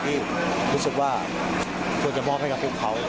ที่รู้สึกว่าควรจะมอบให้กับพวกเขา